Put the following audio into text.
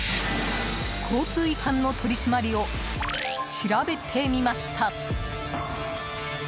交通違反の取り締まりを調べてみました。